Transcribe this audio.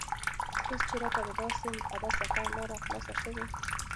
اوس چې راته دداسې مقدس سفر لاره خلاصه شوې.